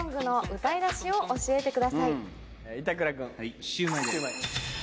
板倉君。